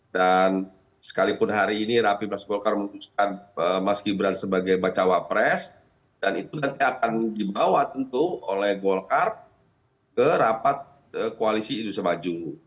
dan sekalipun hari ini rapi mas golkar memutuskan mas gibran sebagai bacawapres dan itu nanti akan dibawa tentu oleh golkar ke rapat koalisi indonesia maju